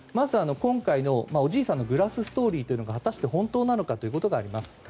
今回のおじいさんのグラスストーリーというのが果たして本当なのかがあります。